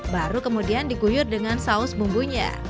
baru kemudian diguyur dengan saus bumbunya